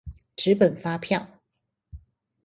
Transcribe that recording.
紙本發票